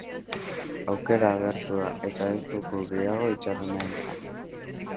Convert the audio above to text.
Aukera agertu da, eta ez dugu gehiago itxaron nahi izan.